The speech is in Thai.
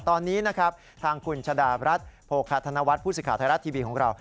ตอนนี้ทางคุณชาดารัฐโภคธนวัฒน์ผู้สึกขาวไทยรัฐทีวีของเรา